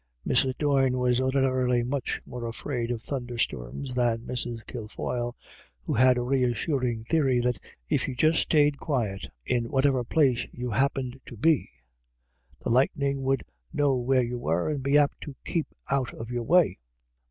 Mrs. Doyne was ordinarily much more afraid of thunder storms than Mrs. Kilfoyle, who had au reassuring theory that if you just stayed quite in whatever place you happened to be, the lightning would know where you were, and be apt to keep out of your way.